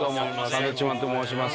サンドウィッチマンと申します。